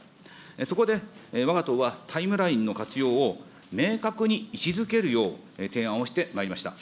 そこで、わが党はタイムラインの活用を明確に位置づけるよう提案をしてまいりました。